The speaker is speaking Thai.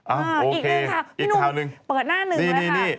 อ้าวอีกหนึ่งครับพี่หนูเปิดหน้าหนึ่งเลยครับอีกคราวหนึ่งนี่นี่